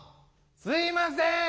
・すいません！